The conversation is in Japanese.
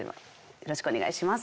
よろしくお願いします。